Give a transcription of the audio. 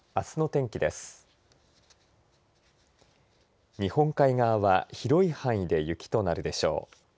日本海側は広い範囲で雪となるでしょう。